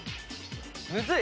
むずい！